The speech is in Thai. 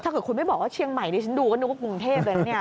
ถ้าเกิดคุณไม่บอกว่าเชียงใหม่ดิฉันดูก็นึกว่ากรุงเทพเลยนะเนี่ย